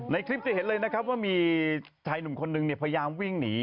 คลิปจะเห็นเลยนะครับว่ามีชายหนุ่มคนนึงพยายามวิ่งหนี